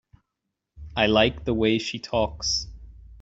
I like the way she talks.